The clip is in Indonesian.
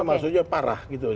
maksudnya parah gitu